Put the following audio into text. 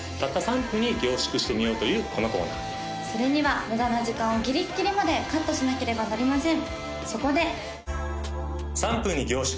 それには無駄な時間をギリッギリまでカットしなければなりません